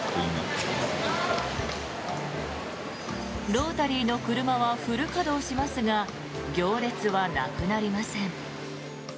ロータリーの車はフル稼働しますが行列はなくなりません。